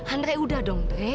andri udah dong deh